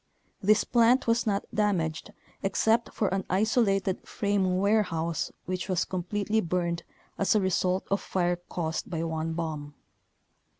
This plant was not damaged except for an isolated frame ware house which was completely burned as a result 102 Photo 40.